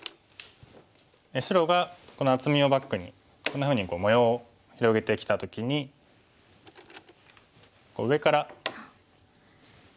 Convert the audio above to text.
白がこの厚みをバックにこんなふうに模様を広げてきた時に上から。